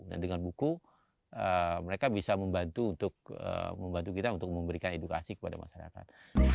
dan dengan buku mereka bisa membantu untuk membantu kita untuk memberikan edukasi kepada masyarakat